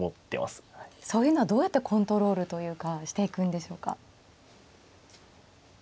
そういうのはどうやってコントロールというかしていくんでしょうか。